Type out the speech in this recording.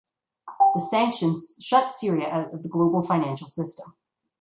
The sanctions shut Syria out of the global financial system.